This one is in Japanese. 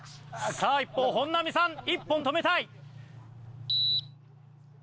さあ一方本並さん１本止めたい。